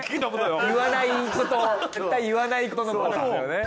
言わないこと絶対言わないことのパターンですよね。